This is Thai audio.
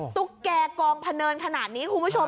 ตุ๊กแก่กองพะเนินขนาดนี้คุณผู้ชม